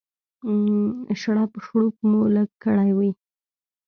شړپ شړوپ مو لږ کړی وي.